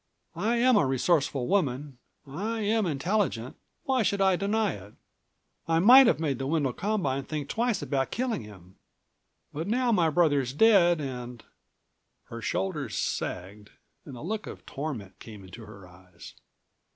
I am a resourceful woman, I am intelligent ... why should I deny it? I might have made the Wendel Combine think twice about killing him. But now my brother's dead and " Her shoulders sagged and a look of torment came into her eyes.